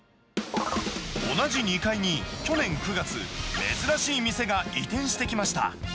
同じ２階に、去年９月、珍しい店が移転してきました。